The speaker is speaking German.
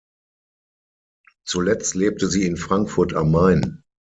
Zuletzt lebte sie in Frankfurt am Main.